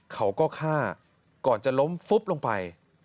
เขาก็ฆ่าก่อนจะล้มฟุบลงไป